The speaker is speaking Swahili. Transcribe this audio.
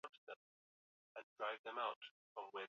huu usha utajitokeza ambalo anatoka mle ndani